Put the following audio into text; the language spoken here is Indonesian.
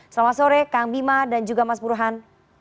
selamat sore kang bima dan juga mas burhan